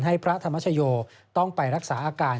พระธรรมชโยต้องไปรักษาอาการ